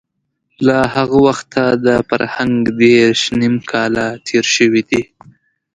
له هغه وخته د فرهنګ دېرش نيم کاله تېر شوي دي.